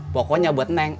pokoknya buat neng